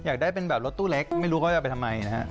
อยากได้ลดตู้เล็กไม่รู้ไงที่จะออกไปนะ